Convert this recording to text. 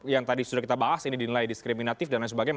yang tadi sudah kita bahas ini dinilai diskriminatif dan lain sebagainya